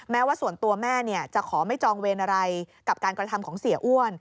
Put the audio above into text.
แม้ว่าส่วนตัวแม่จะขอไม่จองเวรอะไรกับการกระทำของเสียอ้วน